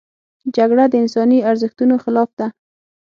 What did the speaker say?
جګړه د انساني ارزښتونو خلاف ده